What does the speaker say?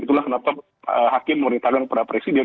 itulah kenapa hakim memberitakan kepada presiden